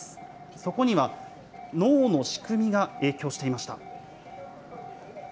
そこには、脳の仕組みが影響していました。